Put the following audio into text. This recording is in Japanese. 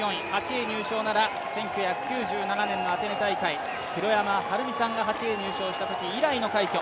８位入賞なら１９９７年のアテネ大会弘山晴美さんが８位入賞したとき以来の快挙。